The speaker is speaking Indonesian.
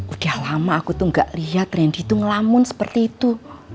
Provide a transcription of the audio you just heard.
udah lama aku tuh gak liat rendy tuh ngelamun seperti itu